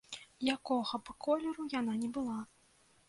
Якога б колеру яна ні была.